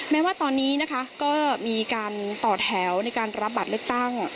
แม้ว่าตอนนี้นะคะก็มีการต่อแถวในการรับบัตรเลือกตั้ง